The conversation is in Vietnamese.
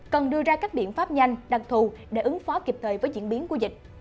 cần đưa ra các biện pháp nhanh đặc thù để ứng phó kịp thời với diễn biến của dịch